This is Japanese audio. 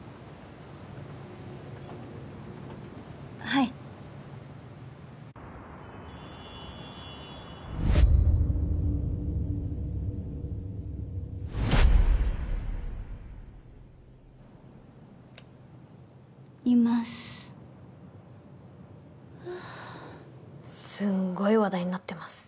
はいいますはあすんごい話題になってます